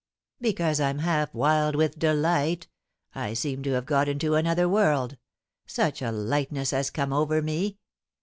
"Because I'm half wild with delight; I seem to have got into another world, such a lightness has come over me.